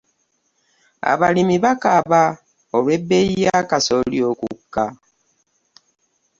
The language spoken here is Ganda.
Abalimi bakaaba olw'ebbeeyi ya kasoli okukka.